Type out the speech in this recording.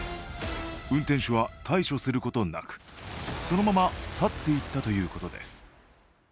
運転手は対処することなくそのまま去っていったということです。